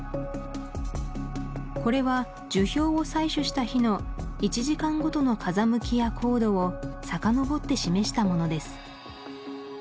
これは樹氷を採取した日の１時間ごとの風向きや高度をさかのぼって示したものです